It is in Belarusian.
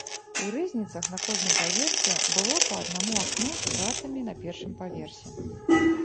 У рызніцах на кожным паверсе было па аднаму акну з кратамі на першым паверсе.